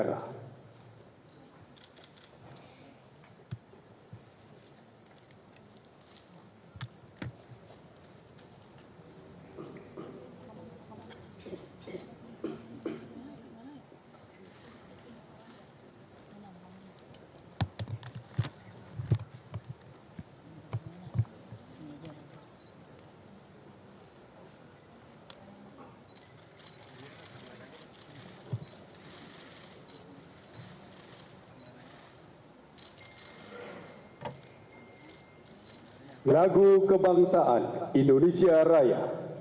lagu kebangsaan indonesia raya